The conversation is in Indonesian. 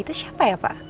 itu siapa ya pak